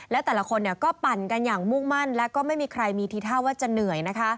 และแต่ละคนก็ปั่นกันอย่างมุ่งมั่นและก็ไม่มีใครมีทีท่าว่าจะเหนื่อยนะคะ